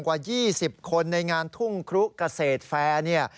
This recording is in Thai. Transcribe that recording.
กว่า๒๐คนในงานทุ่งครุเกษตรแฟร์เนี่ย